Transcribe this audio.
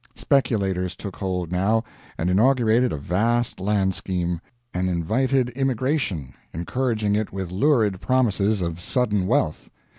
Speculators took hold, now, and inaugurated a vast land scheme, and invited immigration, encouraging it with lurid promises of sudden wealth.